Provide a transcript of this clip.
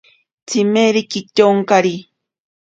Tsimeri kityonkari.